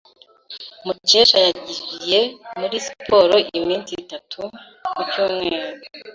Mukesha yagiye muri siporo iminsi itatu mu cyumweru.